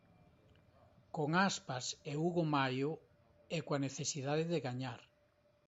Con Aspas e Hugo Mallo e coa necesidade de gañar.